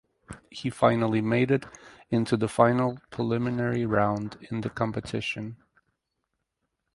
He finally made into the final preliminary round in the competition.